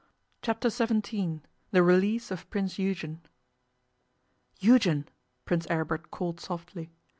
Chapter Seventeen THE RELEASE OF PRINCE EUGEN 'EUGEN,' Prince Aribert called softly.